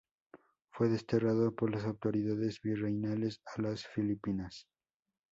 Fue desterrado por las autoridades virreinales a las Filipinas.